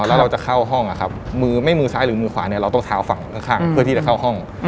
แล้วเราจะเข้าห้องมือไม่มือซ้ายหรือมือขวาเนี่ยเราต้องเท้าฝั่งข้างเพื่อที่จะเข้าห้อง